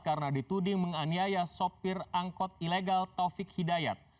karena dituding menganiaya sopir angkot ilegal taufik hidayat